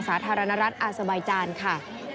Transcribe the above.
สาธารณรัฐอาสบายจานค่ะ